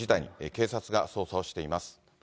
警察が捜査をしています。